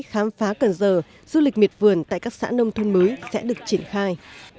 khám phá cần giờ du lịch miệt vườn tại các xã nông thôn mới sẽ được triển khai